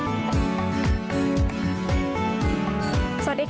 ดังกะแห่งอนาคต